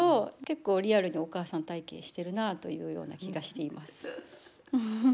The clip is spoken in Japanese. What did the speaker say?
結構リアルにお母さん体験してるなというような気がしています。